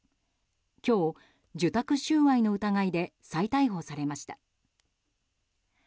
今日、受託収賄の疑いで再逮捕されました。